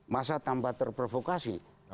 masa tambah terprovokasi